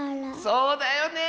そうだよねえ！